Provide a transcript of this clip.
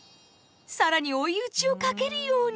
更に追い打ちをかけるように。